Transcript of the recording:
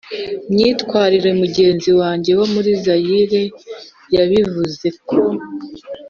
myitwarire mugenzi wanjye wo muri zaire yabivuze ko